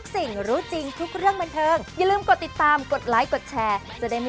สนิทร้องไห้แล้วตอนนี้คนเดียวแล้ว